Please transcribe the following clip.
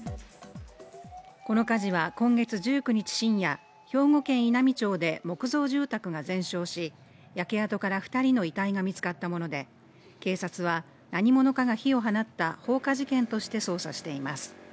この火事は今月１９日深夜、兵庫県稲美町で木造住宅が全焼し、焼け跡から２人の遺体が見つかったもので警察は何者かが火を放った放火事件として捜査しています。